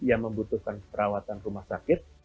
yang membutuhkan perawatan rumah sakit